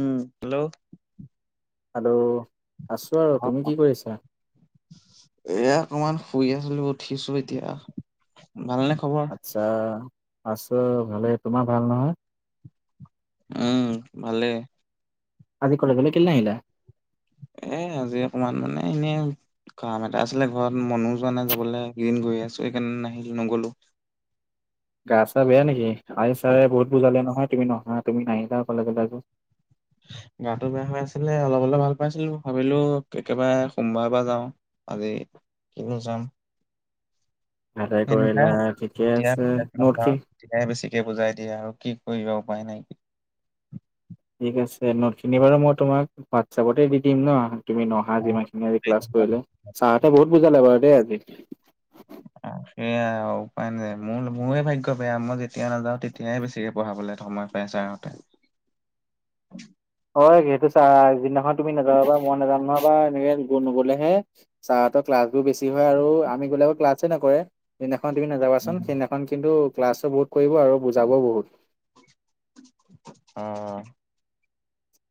উম, hello. Hello, আছোঁ আৰু তুমি কি কৰিছা? এয়া অকমান শুই আছিলোঁ উঠিছো এতিয়া। ভালনে খবৰ? আচ্ছা আছোঁ ভালেই তোমাৰ ভাল নহয়? উম ভালে। আজি কলেজলে কেলে নাহিলা? এ আজি অকমান মানে এনে কাম এটা আছিলে ঘৰত, মনো যোৱা নাই যাবলে এইকেইদিন গৈয়ে আছোঁ সেইকাৰণে নাহিলো নগলো। গা চা বেয়া নেকি? আজি ছাৰে বহুত বুজালে নহয় তুমি নহা তুমি নাহিলা কলেজলে আজি। গাটো বেয়া হৈ আছিলে অলপ অলপ ভাল পাইছিলো ভাবিলো একেবাৰে সোমবাৰৰ পৰা যাওঁ। আজি কিনো যাম। ভালে কৰিলা এনেকোৱাই, ঠিকে এতিয়া আছে নোট কি তেতিয়াহে বেছিকে বুজাই দিয়ে আৰু কি কৰিবা উপায় নাই। ঠিক আছে নোটখিনি বাৰু মই তোমাক হোৱাটছাপতে দি দিম ন? তুমি নহা যিমান খিনি আজি ক্লাছ কৰিলে। ছাৰহঁতে বহুত বুজালে বাৰু দেই আজি। সেয়া আৱ উপায় নাই। মোৰ মোৰে ভাগ্য বেয়া মই যেতিয়া নাযাও তেতিয়াই বেছিকে পঢ়াবলে সময় পায় ছাৰহঁতে। অঁ সেইটো চা আগ দিনাখন তুমি নাযাবা মই নাযাম নহ'বা এনেকে কোনো নগলেহে ছাৰহঁতৰ ক্লাছবোৰ বেছি হয় আৰু আমি গ'লে আক ক্লাছে নকৰে। যিদিনাখন তুমি নাযাবাচোন সেইদিনাখন কিন্তু ক্লাছো বহুত কৰিব আৰু বুজাবও বহুত। অহ।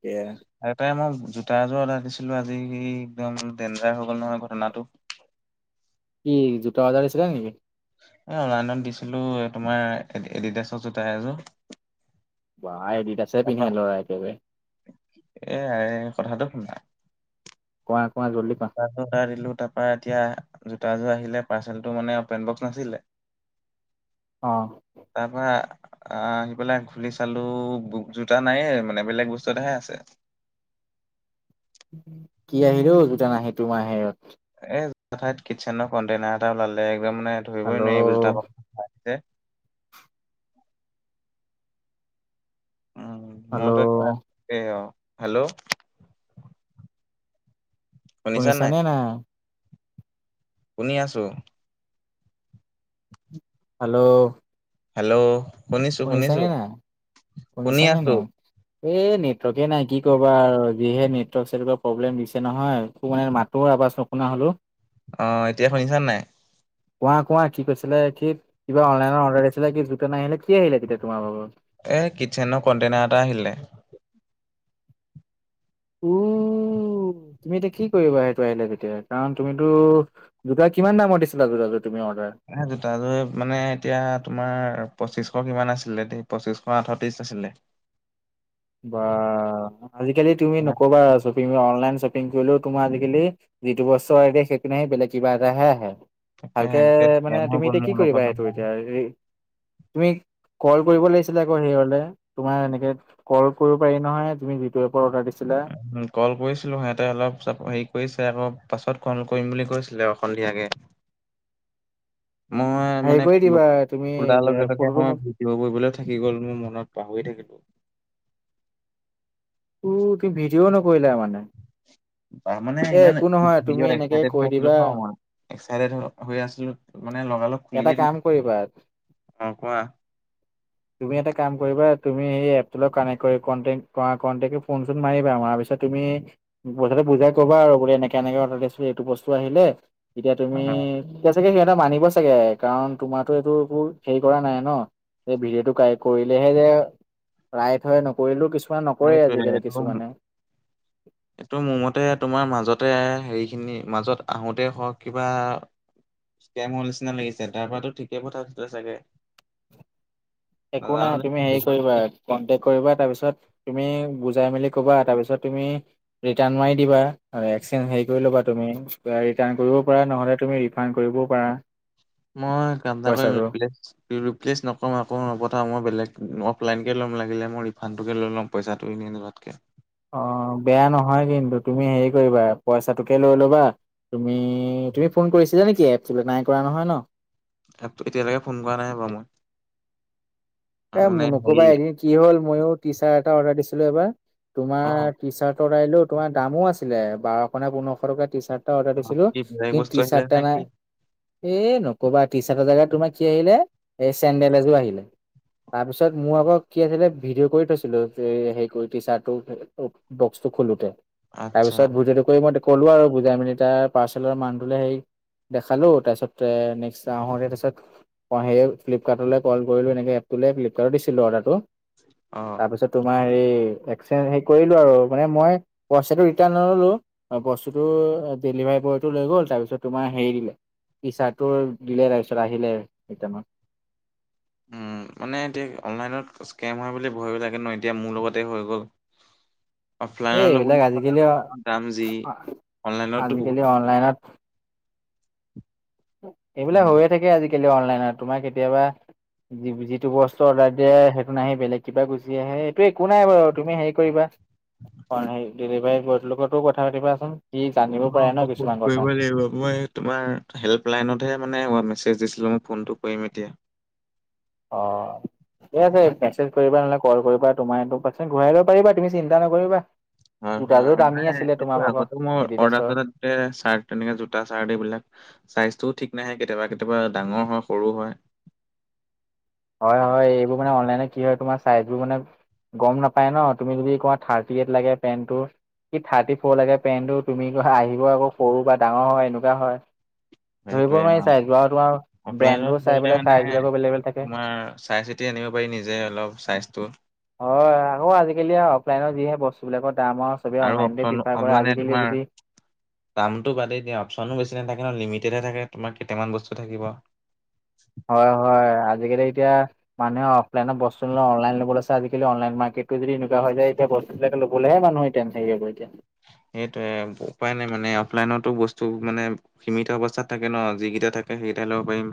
এয়া। আৰু তাই মই জোতা এযোৰ অৰ্ডাৰ দিছিলোঁ আজি একদম দেনজাৰ হৈ গ'ল নহয় ঘটনাটো। কি জোতা অৰ্ডাৰ দিছিলা নেকি? এ অনলাইনত দিছিলোঁ তোমাৰ এডি এডিডাছৰ জোতা এযোৰ। বাহ এডিডাছৰে তাৰপা পিন্ধে ল'ৰা একেবাই। এ এ কথাটো শুনা। কোৱা কোৱা জল্দি কোৱা? জোতাযোৰ অৰ্ডাৰ দিলোঁ তাৰ পৰা এতিয়া জোতা যোৰ আহিলে পাৰ্চেলটো মানে অপেন বক্স নাছিলে। [inaudible] অ', তাৰপৰা। আহ আহি পেলাই খুলি বুক জোতা নায়েই মানে বেলেগ বস্তু এটাহে আছে। কি আহিল অ, জোতা নাহি তোমাৰ হেয়ত। এ এঠাইত কিটচেনৰ কণ্টেইনাৰ এটা ওলালে একদম মানে ধৰিবই হেল্ল' নোৱাৰি এইবোৰ উ হেল্ল' মইতো একেবাৰে অঁ, হেল্ল'। [inaudible] শুনিছা নে নাই? শুনি আছোঁ। হেল্ল', হেল্ল', শুনিছোঁ- শুনিছানে শুনিছোঁ নাই শুনি আছোঁ। এ নেটৱৰ্কে নাই কি কবা আৰু যিহে নেটৱৰ্ক চেতৱৰ্কৰ প্ৰব্লেম দিছে নহয় একো মানে মাত তোৰ আবাচ নোশুনা হ'লো। অ, এতিয়া শুনিছা নাই? কোৱা -কোৱা কি কৈছিলা [unintelligible] কি কিবা অনলাইনৰ অৰ্ডাৰ দিছিলে কি জোতা নাহিলে কি আহিলে তেতিয়া তোমাৰ [unintelligible] এ কিটচেনৰ কণ্টেইনাৰ এটা আহিলে। উ, তুমি এতিয়া কি কৰিবা সেইটো আহিলে তেতিয়া কাৰণ তুমিতো জোতা কিমান দামত দিছিলা জোতাতো তুমি অৰ্ডাৰ। এ জোতাযোৰ মানে এতিয়া তোমাৰ পঁচিছশ কিমান আছিলে দে পঁচিছশ আঠ ত্ৰিছ আছিলে। বা আজিকালি তুমি নকবা আৰু চব অনলাইন শ্বপিং কৰিলেও তোমাৰ আজাকালি যিটো বস্তু অৰ্ডাৰ দিয়ে সেইটো নাহি বেলেগ কিবা এটাহে আহে। তাকে ভালকে একে স্কেম মানে হৈ তুমি গ'ল এতিয়া মোৰ কি লগত কৰিবা এইটো নহয় এতিয়া এৰি তুমি ক'ল কৰিব লাগিছিলে আকৌ সেয়লে তোমাৰ এনেকে ক'ল কৰিব পাৰি নহয় তুমি যিটো এপত অৰ্ডাৰ দিছিলা। হম, ক'ল কৰিছিলো সিহঁতে অলপ চলপ হেৰি কৰিছে আকৌ পাছত ক'ল কৰিম বুলি কৈছিলে অ, সন্ধিয়াকে। মই হেৰি মানে কৰি খো দিবা তুমি -খোলাৰ এ লগে - লগে ফটোটো মোক মই কিব [unintelligible] বলে থাকি গ'ল মোৰ মনত পাহৰি থাকিলোঁ। অ, কি ভিডিঅ নকৰিলা মানে? তাৰ মানে এ ইমান একো নহয় তুমি [unintelligible] এনেকে এক্সাটেড কৈ হৈ আছিলো দিবা ন' মই। এক্সাটেড হৈ -হৈ আছিলোঁ মানে লগালগ এটা খুলিয়ে দিলো কাম কৰিবা অ, কোৱা? তুমি এটা কাম কৰিবা তুমি এই এপটোৰ লগত কানেক্ট কৰি কণ্টেন কৰা কণ্টেকে ফোন চোন মাৰিবা মাৰা পিছত তুমি বস্তুটো বুজাই ক'বা আৰু বুলি এনেকে -এনেকে অৰ্ডাৰ দিছিলো এইটো বস্তু আহিলে এতিয়া তুমি অ', এতিয়া চাগে সিহঁতে মানিব চাগে কাৰণ তোমাৰটো এইটো একো হেৰি কৰা নাই ন'। এই ভিডঅ'টো কাই কৰিলেহে গে ৰাইট হয় ন'। কৰিলোঁ কিছুমান নকৰে সেইটোৱে আজিকালি এইটো কিছুমানে। [inaudible] এইটো মোৰ মতে তোমাৰ মাজতে হেৰি খিনি মাজত আহোতে হ'ক কিবা ইস্কেমু নিচিনা লাগিছে তাৰ পৰাতো ঠিকেই পথাইচিলে কথা চাগে। একো নাজানো নাই নে তুমি হেৰি কৰিব কৰিবা লাগে। কনটেক কৰিবা তাৰপিছত তুমি বুজাই মেলি কবা তাৰপিছত তুমি ৰিটাৰ্ণ মাৰ দিবা আ এক্সচেঞ্জ হেৰি কৰি ল'বা তুমি [unintelligible] ৰিটাৰ্ণ কৰিব পৰা নহ'লে তুমি প্ৰেঙ্ক কৰিবও পাৰা। মই [unintelligible] পইচাটো। ৰিপ্লেচ নকও আঁকৌ নপথাও মই বেলেগ অফলাইনকে ল'ম লাগিলে মই ৰিফাণ্ডটোকে লৈ ল'ম। পইচাটো এনে নাজাতকে। অ, বেয়া নহয় কিন্তু তুমি হেৰি কৰিবা পইচাটোকে লৈ ল'বা। তুমি -তুমি ফোন কৰিছিলা নেকি এপচটোলে নাই কৰা নহয় ন? এপটো এতিয়ালৈকে ফোন কৰা নাই ৰবা মই। অ, এ মানে হেৰি নকবা এদিন কি হল মইও টি চাৰ্ট এটা অৰ্ডাৰ দিছিলো এবাৰ অ তোমাৰ টি চাৰ্টৰ আইলো তোমাৰ দামো আছিলে বাৰশ নে পোন্ধৰশ টকা টি চাৰ্ট অৰ্ডাৰ অ, দিছিলো কি বেলেগ কিন্তু বস্তু টি আহিলে চাৰ্ট নে এটা কি নাই এ নকবা টি চাৰ্টৰ জেগা তোমাৰ কি আহিলে এই চেণ্ডেল এযোৰ আহিলে। তাৰপিছত মোৰ আকৌ কি আছিলে ভিডিঅ' কৰি থৈছিলো হে কৰি টিচাৰ্টটো বক্সটো খলোতে আচ্ছা তাৰপিছত ভিদিঅ'টো কৰি মই ক'লো আৰু বুজাই মেলি তাৰ পাৰ্চেলৰ মানুহটোলে সেই দেখালো তাৰছতে নেক্সট আহোতে তাৰছত মই সেয়ে ফ্লিপকাৰ্টলৈ কল কৰিলো এনেকে এপটো ফ্লিপকাৰ্টত দিছিলো অৰ্ডাৰটো অ তাৰপিছত তোমাৰ হেৰি এক্সচেঞ্জ হেৰি কৰিলো আৰু মানে মই পইচাটো ৰিটাৰ্ণ নললো। অ, বস্তুটো ডেলিভাৰী বয়টো লৈ গ'ল তাৰপিছত তোমাৰ হেৰি দিলে ই চাৰ্টটো দিলে তাৰপিছত আহিলে কেইটামান। উম, মানে এতিয়া অনলাইনত স্কেম হয় বুলি ভাবিব লাগে ন এতিয়া মোৰ লগতে হৈ গ'ল। অফলাইন এই ল'বল এইবিলাক আজিকালি দাম যি অনলাইনো বহুত। আজিকালি অনলাইনত নত এনেএইবিলাক উম, হৈয়ে থা ছয় শশোৌকে আজিকালি অনলাইনত তোমা দেৰ কেতিয়াবা যি যিটো বস্তু অৰ্ডাৰ দিয়ে সেইটো নাহি বেলেগ কিবা গুচি আহে এইটো একো নাই বাৰু তুমি হেৰি কৰিবা। অ, সেই ডেলিভাৰী বয়তোলগতো কথা পাতিবাচোন সি জানিব অ পাৰে মই ন ফোন কিছুমান কথা। কৰিবই লাগিব মই তোমাৰ হেল্পলাইনতহে মানে মেছেজ দিছিলোঁ মই ফোনটো কৰিম এতিয়া। অ', এইয়া আছে মেছেজ কৰিবা নহলে কল কৰিবা তোমাৰ এইটো পইছা ঘূৰাই ল'ব পাৰিবা তুমি চিন্তা নকৰিবা। জোতাযোৰ হয়-হয়-হয় দামী নাই আছিলে এইটো তোমাৰ ভাগৰ আগতে মই অৰ্ডাৰ এডিডাছৰ চৰ্ডাৰ তেনেকে জোতা চাৰ্ট এইবিলাক ছাইজটোও ঠিক নাহে কেতিয়াবা-কেতিয়াবা ডাঙৰ হয় সৰু হয়। হয়-হয় এইবোৰ মানে অনলাইনে কি হয় তোমাৰ চাইজবোৰ মানে গম নাপায় ন তুমি যদি ক'বা থাৰ্টি এইট লাগে পেণ্টটো। কি থাৰ্টি ফ'ৰ লাগে পেনটো তুমি ক আহিব আকৌ সৰু বা ডাঙৰ হয় এনেকুৱা হয়। ধৰিব সেইটোৱে অ নোৱাৰি চাইজ আৰু তোমাৰ ব্ৰেণ্ডো চাই পেলাই চাইজ বিলাকো বেলেগ বেলেগ থাকে। ও চাই চি - টি আনিব পাৰি নিজে অলপ চাইজটো। হয়, আকৌ আজিকালি অফলাইনত যিহে বস্তু বিলাকৰ দাম আৰু, চবে অনলাইনতে অপচন অ প্ৰিফাৰ কৰে মানে আজিকালি তোমাৰ যদি দামটো বাদেই দিয়া অপচন বেছি নথাকে ন লিমিটোকে তোমাৰ কেইটাম বস্তু থাকিব। [inaudible] হয়-হয় আজিকালি এতিয়া মানুহে অফলাইন বস্তু অনলাইন ল'ব লৈছে আজিকালি অনলাইন মাৰ্কেটটো যদি এনেকুৱা হৈ যায় এতিয়া বস্তু কিবাএটা লবলেহে মানুহ টেনচন হ'ব এতিয়া। সেইটোয়ে উপায় নাই মানে অফলাইনতো বস্তু মানে সীমিত অৱস্থাত থাকে ন যিকেইটা থাকে সেইকেইটাই ল'ব পাৰিম।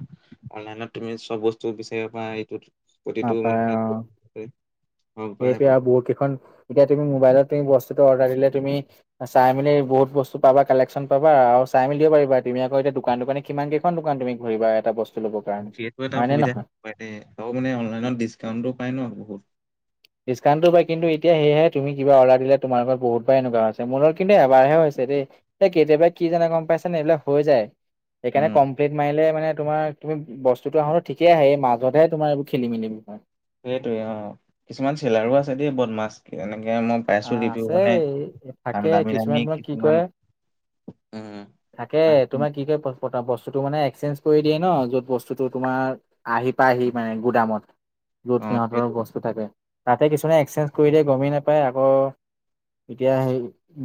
অনলাইনত তুমি চব বস্তু বিচাৰিবা পাৰা সেইটোত, নাপায় অ, হওক বা সেইটোৱে সেইবোৰ। আৰু বহুত কেইখন- এতিয়া তুমি মবাইলত তুমি বস্তুটো অৰ্ডাৰ দিলে তুমি, চাই মেলি বহুত বস্তু পাবা, কালেকশ্যন পাবা আৰু চাই মেলি দিব পাৰিবা, তুমি আকৌ এতিয়া দোকান দোকানী কিমান কেইখন দোকান তুমি ঘূৰিবা এটা বস্তু ল'ব কাৰণে, সেইটো এটা হয় নে সুবিধা নহয়। আৰু মানে অনলাইনত ডিচকাউন্টটো পাই ন বহুত। ডিছকাউণ্টো পায়। কিন্তু এতিয়া সেয়ে তুমি কিবা অৰ্ডাৰ দিলে তোমালোকৰ বহুত বাৰ এনেকুৱা হৈছে, মোৰলগত কিন্তু এবাৰহে হৈছে দেই। এ কেতিয়াবা কি জানে গম পাইছেনে এইবিলাক হৈ যায়, সেইকাৰণে উম কমপ্লিট মাৰিলে মানে তোমাৰ তুমি, বস্তুটো আহোতে ঠিকেই আহে, এই মাজতহে তোমাৰ এই খেলি মেলি হয়। সেইটোৱে অ, কিছুমান চেলাৰো আছে দেই বদমাছ, এনেকে মই প্ৰা‌‌ইছো আহ যিটো আছে মানে, থাকে দামি কিছুমান দামি তোমাৰ কি কৰে কিছুমান, ও থাকে। তোমাৰ কি ক বস্তুটো মানে এক্সচেঞ্জ কৰি দিয়ে ন য'ত বস্তুটো তোমাৰ আহি, পাইহি মানে, গুদামত। য'ত, অ সেইটো সিহঁতৰ বস্তু থাকে। তাতে, কিছুমানে এক্সেঞ্জ কৰি দিয়ে, গমেই নাপায়। আকৌ এতিয়া সেই,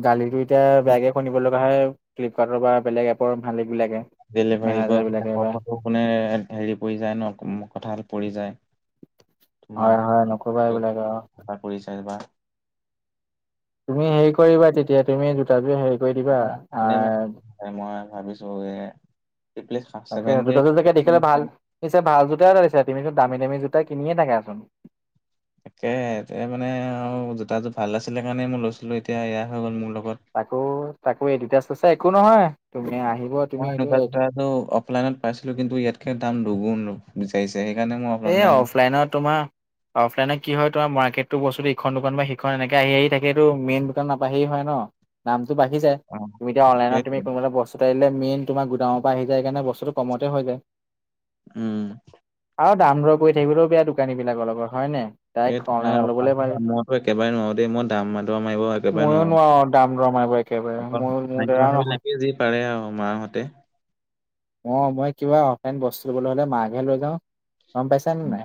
গালিটো এতিয়া, বেয়াকে শুনিব লগা হয়। ফ্লিপকাৰ্টৰ বা বেলেগ এপৰ মালিকবিলাকে। ডেলিভাৰী বয় কোনে হেৰি পৰি যায় ন কথাল পৰি যায়। হয় হয় নকবা এইবিলাকে অ। চাকৰি চাই বা। তুমি হেৰি কৰিবা তেতি - এতিয়া, তুমি জোতাযোৰ হেৰি কৰি দিবা? আঁ এ, মই ভাবিছোঁগে! তাকে জোতাযোৰ চাগে দেখিলে ভাল [unintelligible] পিছে, ভাল জোতাই লৈছা! তুমিটো দামী-দামী জোতা কিনিয়ে থাকাচোন। তাকেহে, এ, মানে আৰু জোতাযোৰ ভাল আছিলে কাৰণে, মই লৈছিলোঁ। এতিয়া, এয়া হৈ গ'ল মোৰ লগত। তাকো, তাকো এডিডাছ আছে, একো নহয়। তুমি আহিব। তুমি এনেকুৱা এইটো জোতা এযোৰ অফলাইনত পাইছিলোঁ। কিন্তু, ইয়াতকে দাম দুগুণ আৰু। বিচাৰিছে। সেইকাৰণে, মই অনলাইন অলাইনত তোমাৰ, অফলাইনত কি হয় তোমাৰ, মাৰ্কেতটো, বস্তুটো ইখন দোকান বা সিখন এনেকে আহি, আহি থাকে। এইটো, মেইন দোকান নাপাহিয়েই, হয় ন'। দামটো বাঢ়ি যায়। অঁ তুমি এতিয়া, অনলাইনত তুমি, সেইটোৱে কোনোবা এটা বস্তু আহিলে, মেইন তোমাৰ গুডামৰ আহি যায়। সেইকাৰণে, বস্তুটো কমতে হৈ যায়। উম! আৰু দাম-দৰ কৰি থাকিবলৈও বেয়া, দোকানী বিলাকৰ লগত। হয় নাই? এই, মইতো একেবাৰে নোৱাৰোঁ দেই। মই দাম মৰা, মাৰিব একেবাৰে ময়ো নোৱাৰোঁ। নোৱাৰো দাম দৰ মাৰিব একেবাৰে আকৌ, মোৰ মোৰ মাইকী দ্বাৰাও নহয় মানুহবিলাকে যি পাৰে আৰু মাহঁতে। অ'! মই কিবা, অফলাইন বস্তু ল'বলৈ হ'লে, মাকহে লৈ যাওঁ। গম পাইছা নে নাই?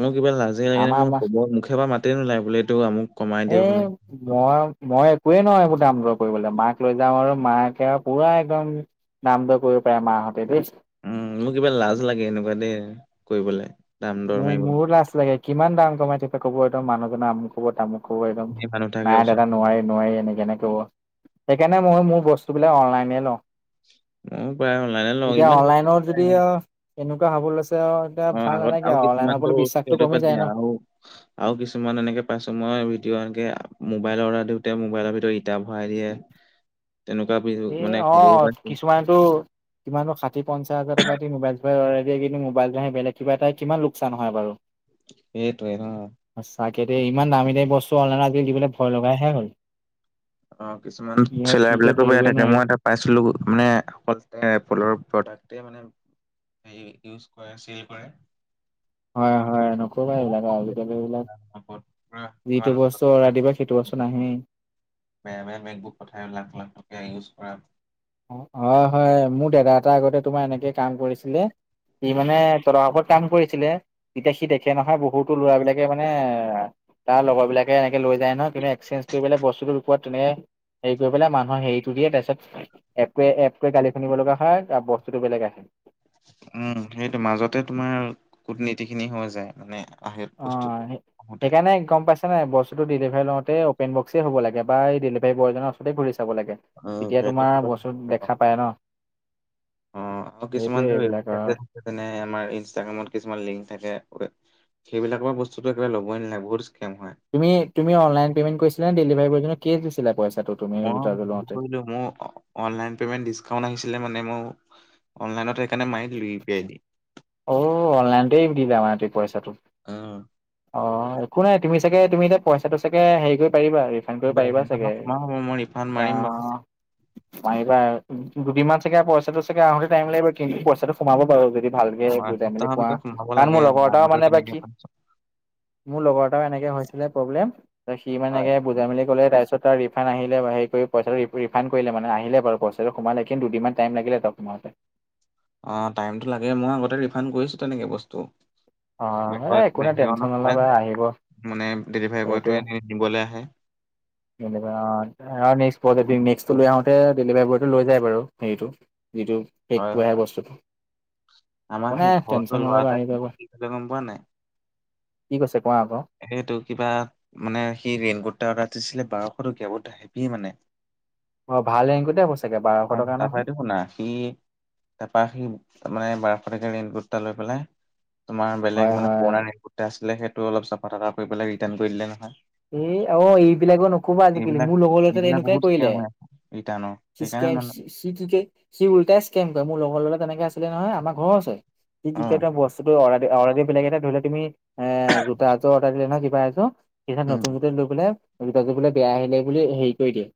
মোৰ কিবা লাজে লাগে নে, আমাৰ মই মা ক'ব, মুখ পৰা মাতে নোলাই বোলে, এইটো আমোক। [unintelligible] মই, মই একোৱে নোৱাৰোঁ, এইবোৰ দাম-দৰ কৰিবলৈ, মাক লৈ যাওঁ আৰু মাকে আৰু পূৰা, একদম দাম-দৰ কৰিব পাৰে, মাহঁতে দেই। উম! মোৰ কিবা লাজ লাগে, এনেকুৱা [unintelligible] কৰিবলে। দাম দৰ মোৰ, মাৰিবলে মোৰ লাজ লাগে। কিমান দাম কমাই থাকিবা! ক'ব একদম, মানুহজনা মোক। ক'ব, তামোক ক'ব একদম, মানুহ থাকে নাই ওচৰত দাদা, নোৱাৰি- নোৱাৰি, এনেকে এনে ক'ব। সেইকাৰণে, মই মোৰ বস্তুবিলাক, অনলাইনে লওঁ। ময়ো প্ৰায় অনলাইনে লওঁ এতিয়া, ইমান অনলাইনত যদি, এনেকুৱা হ'ব লৈছে আৰু! এতিয়া অঁ ভাল আগত নালাগে। আৰু অনলাইনৰ ওপৰত কিছুমানটো, বিশ্বাসটো সেইটো কমি বাত যায় দিয়া ন আৰু। আৰু কিছুমান, এনেকে পাইছোঁ, মই ভিডিঅ এনেকে, মোবাইলৰ অৰ্ডাৰ দিওঁতে, মোবাইলৰ ভিতৰত ইটা ভৰাই দিয়ে। [inaudible] তেনেকুৱা [unintelligible] এই, খবৰো অ'! পাইছো কিছুমানেতো কিমাননো, ষাঠি -পঞ্চাছ হাজাৰ টকা দি, মোবাইল- চোবাইল আৰ্ডাৰ দিয়ে। কিন্তু, মোবাইল নহয়, বেলেগ কিবা এটাই, কিমান লোকচান হয় বাৰু। সেইটোৱে! [unintelligible] সচাঁকে দেই। ইমান দামী-দামী বস্তু, অনলাইনত আজিকালি, দিবলৈ ভয় লগাইহে হ'ল। অ'! কিছুমান কি হয় চিলাই কি কয় বিলাকো বেয়া ধৰিবই থাকে। নোৱাৰি। মই এটা পাইছিলোঁ। মানে, অকল [unintelligible] প্ৰডাক্টে মানে ইউজ কৰে, চিল কৰে। হয়, হয়, নক'বা বহুত এইবিলাক আৰু। কম আজিকালি দামত এইবিলাক, পাইছো। পুৰা কিমান যিটো বস্তু অৰ্ডাৰ দিবা, সেইটো বস্তু নাহেই। বেয়া-বেয়া বেগবোৰ পঠায়। লাখ-লাখ টকীয়া, ইউজ কৰা। হয়, হয়, মোৰ দাদা এটা আগতে, তোমাৰ এনেকে, কাম কৰিছিলে। সি মানে, তদাৰকত কাম কৰিছিলে। তেতিয়া, সি দেখে নহয়, বহুতো ল'ৰাবিলাকে মানে, তাৰ, লগৰবিলাকে এনেকৈ লৈ যায়, নহয়। যোনে, এক্সচেঞ্জ কৰি পেলাই, বস্তুটো লুকোৱাত তেনে হেৰি কৰি পেলাই, মানুহৰ হেৰিটো দিয়ে। তাৰ পিছত, এইটোৱে-এপটোৱে গালি শুনিব লগা হয় আৰু বস্তুতটো বেলেগ আহে। উম! সেইটো মাজতে, তোমাৰ কুটনীতি খিনি হৈ যায়। মানে, আহে অ, বস্তুটো আহোতে। সেইকাৰণে গম পাইছো নাই বস্তুটো ডেলিভাৰী লওঁতে অপেন বক্সই হব লাগে বা এই ডেলিভাৰী বয়জনৰ ওৰতে খুলি চাব লাগে। উম তেতিয়া সেইটো তোমাৰ বস্তু হয়। দেখা পায় ন, সেইটোৱেই এইবিলাক আৰু নে আমাৰ ইনষ্টাগ্ৰামত কিছুমান লিংক থাকে। সেইবিলাকৰ বস্তুতটো একবাৰে ল'বই নালগে বহুত ক্সেম হয়। তুমি-তুমি অনলাইন পে'মেণ্ট কৰিছিলা নে ডেলিভাৰ বয়জনে কেচ দিছিলে পইচাটো? তুমি মই ৰিচাৰ্জটো মোৰ লওঁতে? কিলো মোৰ অনলাইন পেমেণ্ট ডিছকাউণ্ট আহিছিলে মানে ম'ও অনলাইনত সেকানে মানে মাৰি দিলো ইউ পি আইদি। অ' অনলাইনতেই দিবা মানে পইচাটো। অ অ, একো নাই তুমি চাগে তুমি এতিয়া পইচাটো চাগে হেৰি কৰি পাৰিবা আৰু। বেলেগ দিনাখন কম মই ৰিফাণ্ড মাৰিম বাৰু। অ', পাৰিবা দুদিনমান চাগে পইচাটো চাগে আহোতে টাইম লাগিব কিন্তু পইচাটো সোমাব বাৰু যদি ভাল আমাৰ সপ্তাহৰ ভিতৰত সোমাব লাগে, মই এটাও মাতে মানে এবাৰ কি তেনেকে মোৰ লগৰ এটা এনেকে হৈছিলে প্ৰব্লেম সি হয় মানেকে বুজাই মে'লি কলে তাৰপিছ তাৰ ৰিফাণ্ড আহিলে হে কৰি পইচা ৰিফাণ কৰিলে মানে আহিলে বাৰু পইচা সোমালে কিন্তু দুদিন টাইম লাগিলে তাৰ সোমাওতে। অ, টাইমটো লাগে মই আগতে ৰিফাণ্ড কৰিছো তেনেকে বস্তু। অ ত এ একো নাই টেনচন সোমাই নল'বা যায় আহিব মানে ডেলিভাৰী বয়টোৱে এনে নিবলে আহে। অ, নেক্সট-নেক্সটটো লৈ আহোতে ডেলিভাৰী বয়টো লৈ যায় বাৰু হেৰিটো। যিটো হয় সেইটটো আহে হয় বস্তুটো। একো আমাৰ নাই সেই ঘৰৰ টেনচন ওচৰৰ ল'ৰা নল'বা আহি এটাই কি যাব কৰিলে গম পোৱা নাই? কি কৈছে কোৱা আকৌ? সেইটো কিবা মানে সেই ৰেইনকোট এটা অৰ্ডাৰ দিছিলে বাৰশ টকীয়া বহুত হেভি মানে। অ ভাল ৰেংকতে হ'ব চাগে বাৰশ অ', টকা তাৰ পৰা নহয় এইটো শুনা, সি। তাৰপৰা সি মানে বাৰশটকিয়া ৰেইনকুট এটা লৈ পেলাই তোমাৰ হয় বেলেগ মানে হয় পুৰণা ৰেইন কুট আছিলে সেইটো অলপ চাফা তাফা কৰিপেলাই ৰিটাৰ্ণ কৰি দিলে নহয়। এ অ, এইবিলাকো নকবা আজিকালি মোৰ লগৰ লগত এনেকুৱাই কৰিলে। ৰিটান চিচকেপ চিচ [unintelligible] কি টিকে সি উলটাই স্কেম কৰে মোৰ লগৰ ল'ৰা তেনেকে আছিলে নহয় আমাৰ ঘৰৰ ওচয় সি অ টিকেত বচ অৰ্দাৰ-অৰ্দাদি বেলেগ এটা ধৰিলোৱা তুমি এ জোতা এজোৰ অৰ্ডাৰ দিলে ন কিবা এয়োৰ তেতিয়া উম। নতুন লৈ বোলে জোতাযোৰ বোলে বেয়া আহিলে বোলে হেৰি কৰি দিয়ে।